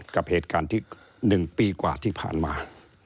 กับเหตุการณ์ที่๑ปีกว่าที่ผ่านมา